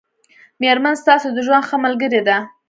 مېرمن ستاسو د ژوند ښه ملګری دی